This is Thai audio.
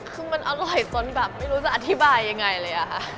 คือมันอร่อยจนแบบไม่รู้จะอธิบายยังไงเลยอะค่ะ